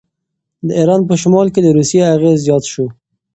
د ایران په شمال کې د روسیې اغېز زیات شو.